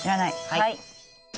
はい。